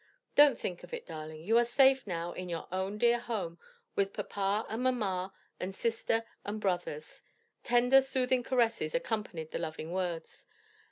"Don't think of it, darling, you are safe now in your own dear home with papa and mamma and sister and brothers." Tender soothing caresses accompanied the loving words.